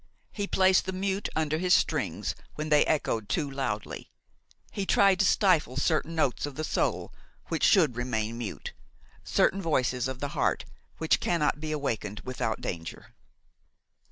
He placed the mute under his strings when they echoed too loudly; he tried to stifle certain notes of the soul which should remain mute, certain voices of the heart which cannot be awakened without danger.